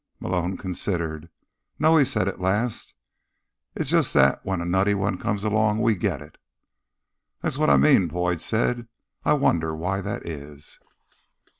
Malone considered. "No," he said at last. "It's just that when a nutty one comes along, we get it." "That's what I mean," Boyd said. "I wonder why that is."